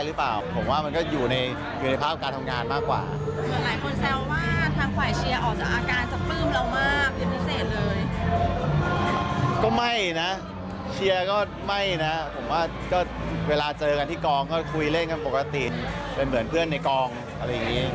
คือใกล้ชิดกันในกองอะไรอย่างนี้หรือครับ